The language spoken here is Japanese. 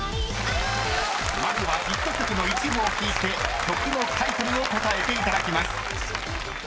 ［まずはヒット曲の一部を聴いて曲のタイトルを答えていただきます］